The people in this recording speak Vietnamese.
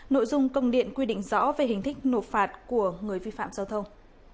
nội dung công điện quy định rõ về hình thức nộp phạt của người vi phạm giao thông